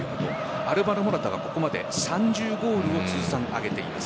アルヴァロ・モラタはここまで３０ゴールを通算挙げています。